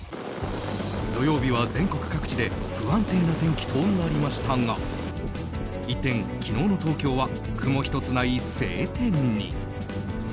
土曜日は全国各地で不安定な天気となりましたが一転、昨日の東京は雲１つない晴天に。